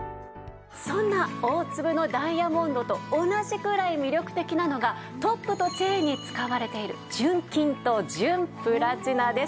そんな大粒のダイヤモンドと同じくらい魅力的なのがトップとチェーンに使われている純金と純プラチナです。